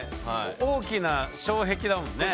大きな障壁だもんね。